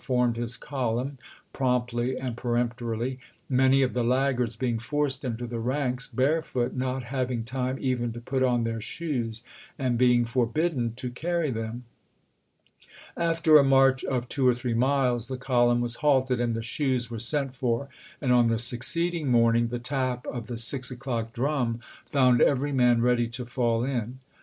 XVI. formed his column, promptly and peremptorily, many of the laggards being forced into the ranks barefoot, not having time even to put on their shoes, and being forbidden to carry them. After a march of two or three miles the column was halted, and the shoes were sent for; and on the succeed ing morning, the tap of the six o'clock drum found every man ready to fall in.